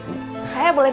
cilok cihoyama lima ratusan